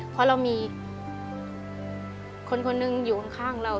เพราะเรามีคนคนหนึ่งอยู่ข้างเรา